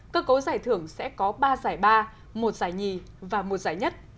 cơ cấu giải thưởng sẽ có ba giải ba một giải nhì và một giải nhất